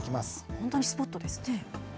本当にスポットですね。